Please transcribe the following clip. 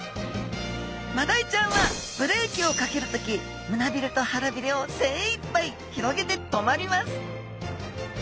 マダイちゃんはブレーキをかける時胸びれと腹びれを精いっぱい広げて止まります